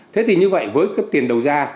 thế thì như vậy với cái tiền đầu ra